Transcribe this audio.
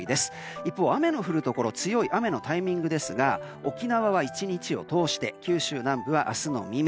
一方、雨の降るところ強い雨のタイミングですが沖縄は１日を通して九州南部は明日の未明